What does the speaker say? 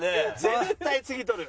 絶対次取る。